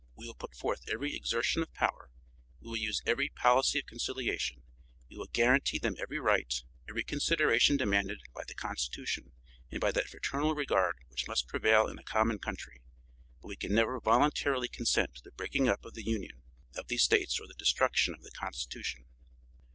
We will put forth every exertion of power; we will use every policy of conciliation; we will guarantee them every right, every consideration demanded by the constitution and by that fraternal regard which must prevail in a common country; but we can never voluntarily consent to the breaking up of the union of these States or the destruction of the constitution."